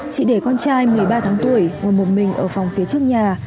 chị để con trai một mươi ba tháng tuổi ngồi một mình ở phòng phía trước nhà